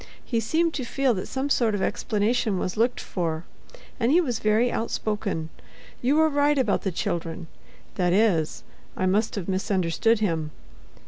He seemed to feel that some sort of explanation was looked for, and he was very outspoken. You were right about the children—that is, I must have misunderstood him.